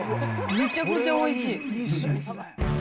めちゃくちゃおいしい。